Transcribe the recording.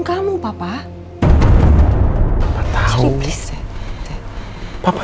kamu istirahat aja sayang ya